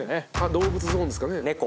動物ゾーンですかね。